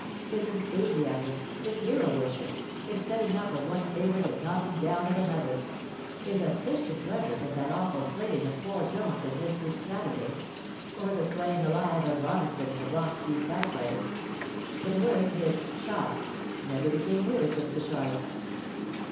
His enthusiasm; his hero worship; his setting up of one favourite and knocking down of another; his unchristian pleasure in that awful slating of poor Jones in this week's Saturday, or the flaying alive of Robinson in the Bond Street Backbiter; in a word, his "shop" never became wearisome to Charlotte.